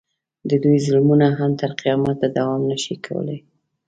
د دوی ظلمونه هم تر قیامته دوام نه شي کولی.